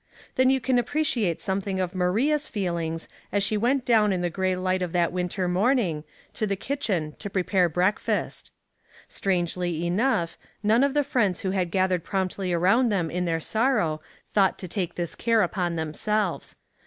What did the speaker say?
Then you can appre ciate something of Maria's feelings as she went down in the gray light of that winter morning, to the kitchen to prepare breakfast. Strangely enough, none of the friends who had gathered promptly around them in their sorrow thought to take this care upon themselves.